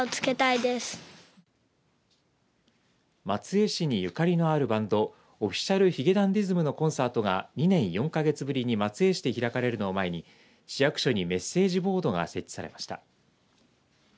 松江市にゆかりのあるバンドＯｆｆｉｃｉａｌ髭男ｄｉｓｍのコンサートが２年４か月ぶりに松江市で開かれるのを前に市役所にメッセージボードが設置されました。